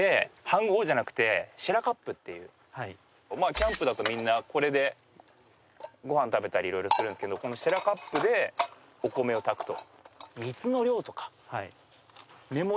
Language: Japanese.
キャンプだとみんなこれでご飯食べたり色々するんですけどこのシェラカップでお米を炊くと。